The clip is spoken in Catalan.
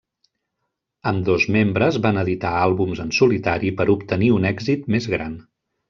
Ambdós membres van editar àlbums en solitari per obtenir un èxit més gran.